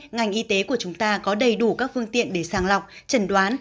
ngành y tế của chúng ta có đầy đủ các phương tiện để sàng lọc trần đoán